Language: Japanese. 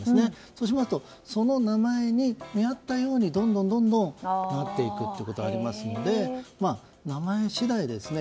そうしますとその名前に見合ったように、どんどんなっていくことがありますので名前次第ですね。